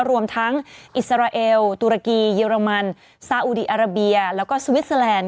รวมทั้งอิสราเอลตุรกีเยอรมันซาอุดีอาราเบียแล้วก็สวิสเตอร์แลนด